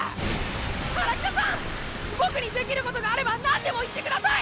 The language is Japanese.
荒北さんボクにできることがあれば何でも言って下さい！